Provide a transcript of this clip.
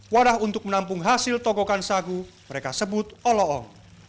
wadah untuk menampung hasil tokokan sagu mereka sebut oloong